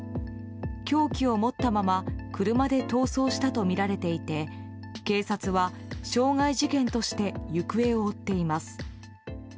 凶器を持ったまま車で逃走したとみられていて警察は傷害事件として行方を追っています。